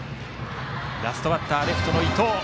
ラストバッター、レフトの伊藤。